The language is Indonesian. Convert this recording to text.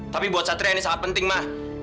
tapi buat satria ini sangat penting mah